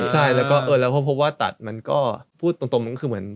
ใช่แล้วก็เออแล้วพอพบว่าตัดมันก็พูดตรงมันคือเหมือน